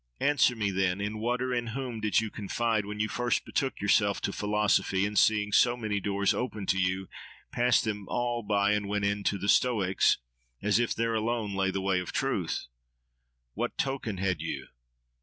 Answer me then—In what, or in whom, did you confide when you first betook yourself to philosophy, and seeing so many doors open to you, passed them all by and went in to the Stoics, as if there alone lay the way of truth? What token had you?